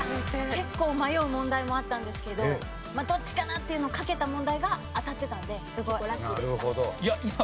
結構迷う問題もあったんですけどどっちかなっていうのをかけた問題が当たってたのでラッキーでした。